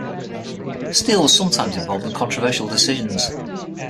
Steele was sometimes involved in controversial decisions.